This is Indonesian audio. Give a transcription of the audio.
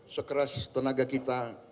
sekeras tenaga kita